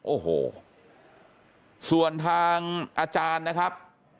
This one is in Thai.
โอ้โหส่วนทางอาจารย์นะครับ